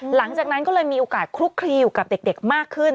หลังจากนั้นก็เลยมีโอกาสคลุกคลีอยู่กับเด็กมากขึ้น